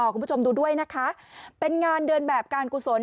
คุณผู้ชมดูด้วยนะคะเป็นงานเดินแบบการกุศล